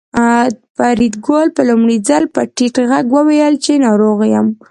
فریدګل په لومړي ځل په ټیټ غږ وویل چې ناروغ یم